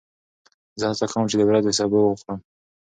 زه هڅه کوم چې د ورځې سبو وخورم.